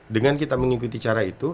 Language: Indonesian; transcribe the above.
dengan kita mengikuti cara itu